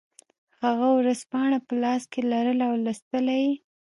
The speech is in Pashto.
هغه ورځپاڼه په لاس کې لرله او لوستله یې